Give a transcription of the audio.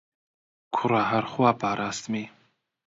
کوڕە هەر خوا پاراستمی